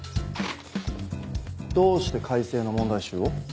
どうして開成の問題集を？